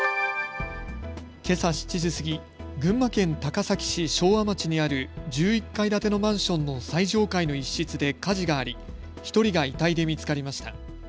けさ７時過ぎ、群馬県高崎市昭和町にある１１階建てのマンションの最上階の一室で火事があり１人が遺体で見つかりました。